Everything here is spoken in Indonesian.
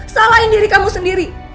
salahin diri kamu sendiri